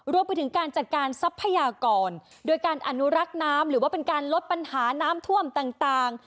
รวมไปถึงการจัดการทรัพยากรโดยการอนุรักษ์น้ำหรือว่าเป็นการลดปัญหาน้ำท่วมต่าง